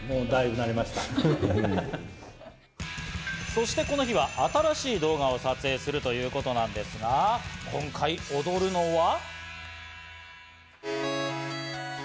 そしてこの日は新しい動画を撮影するということなんですが、今回踊るのは。